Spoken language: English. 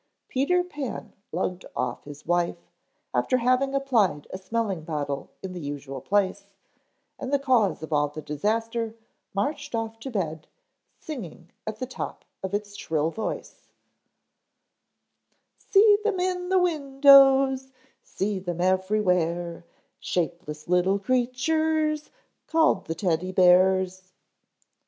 Peter Pan lugged off his wife, after having applied a smelling bottle in the usual place, and the cause of all the disaster marched off to bed singing at the top of its shrill voice: "See them in the windows, See them everywhere; Shapeless little creatures Called the Teddy bears."